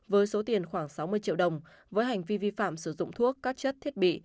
với số tiền khoảng sáu mươi triệu đồng với hành vi vi phạm sử dụng thuốc các chất thiết bị